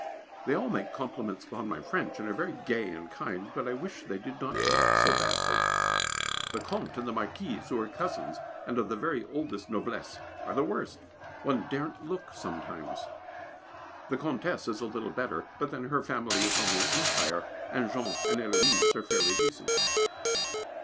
They all make compliments upon my French, and are very gay and kind, but I wish they did not eat so badly. The Comte and the Marquise, who are cousins, and of the very oldest noblesse, are the worst one daren't look sometimes. The Comtesse is a little better, but then her family is only Empire, and Jean and Héloise are fairly decent.